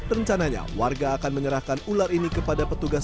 rencananya warga akan menyerahkan ular ini kepada petugas